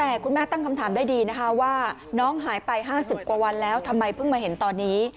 แต่คุณแม่ตั้งคำถามได้ดีนะคะว่าน้องหายไป๕๐กว่าวันแล้วทำไมเพิ่งมาเห็นตอนนี้